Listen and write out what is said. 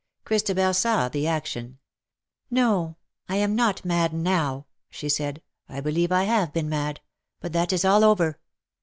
Christabel saw the action. "No, I am not mad, now,''' she said; "I believe I have been mad, but that is all over.